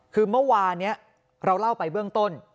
คือเมื่อวานนี้เราเล่าไปเบื้องต้น